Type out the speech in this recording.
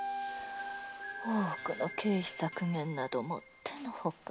大奥の経費削減などもってのほか。